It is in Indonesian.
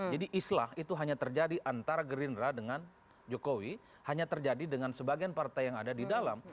jadi islah itu hanya terjadi antara gerindra dengan jokowi hanya terjadi dengan sebagian partai yang ada di dalam